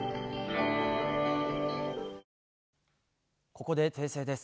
ここで訂正です。